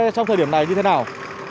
trong thời điểm này như thế nào